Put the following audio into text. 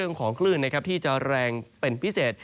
เรื่องของคลื่นนะครับที่จะแรงเป็นพิเศษ